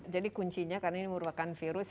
jadi kuncinya karena ini merupakan virus